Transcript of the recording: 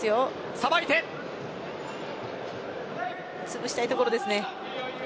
潰したいところですね。